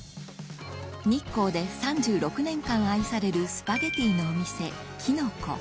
日光で３６年間愛されるスパゲティのお店